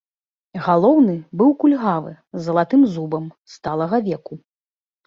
Галоўны быў кульгавы, з залатым зубам, сталага веку.